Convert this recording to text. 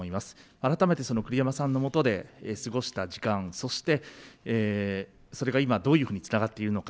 改めてその栗山さんのもとで過ごした時間、そして、それが今どういうふうにつながっているのか。